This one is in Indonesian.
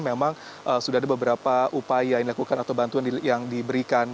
memang sudah ada beberapa upaya yang dilakukan atau bantuan yang diberikan